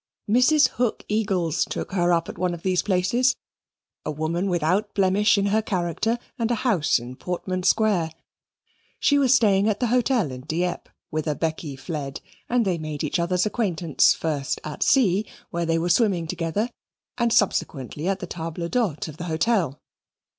Mrs. Hook Eagles took her up at one of these places a woman without a blemish in her character and a house in Portman Square. She was staying at the hotel at Dieppe, whither Becky fled, and they made each other's acquaintance first at sea, where they were swimming together, and subsequently at the table d'hote of the hotel.